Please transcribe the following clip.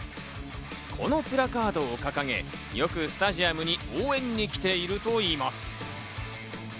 このプラカードを掲げ、よくスタジアムに応援に来ているといいます。